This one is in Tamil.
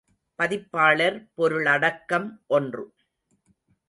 பதிப்பாளர் பொருளடக்கம் ஒன்று.